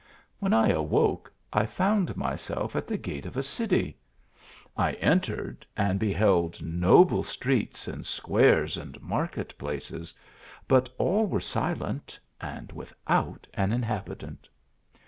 When I awoke, I found myself at the gate of a city. I entered and beheld noble streets and squares and market places, but all were silent and without an inhabitant.